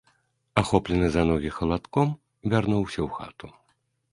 Ахоплены за ногі халадком, вярнуўся ў хату.